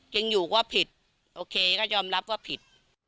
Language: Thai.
จริงอยู่ก็ผิดโอเคก็ยอมรับว่าผิด